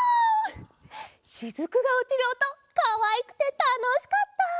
しずくがおちるおとかわいくてたのしかった。